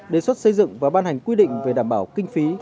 đề xuất xây dựng và ban hành quy định về đảm bảo kinh phí